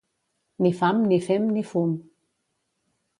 Ni fam, ni fem, ni fum.